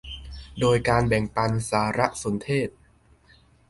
โดยการแบ่งบันสารสนเทศ